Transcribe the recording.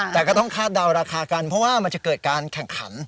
แต่ก็ต้องคาดเดาราคากันเพราะว่ามันจะเกิดการแข่งขัน